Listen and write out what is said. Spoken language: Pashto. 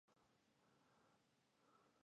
د پښتنو په کلتور کې د بې وزلو سره مرسته پټه کیږي.